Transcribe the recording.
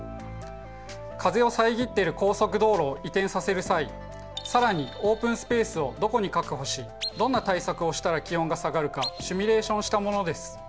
風を遮っている高速道路を移転させる際更にオープンスペースをどこに確保しどんな対策をしたら気温が下がるかシミュレーションしたものです。